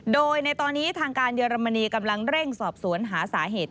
โดยในตอนนี้ทางการเยอรมนีกำลังเร่งสอบสวนหาสาเหตุ